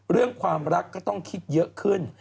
เรื่องความรักก็ต้องคิดเยอะขึ้น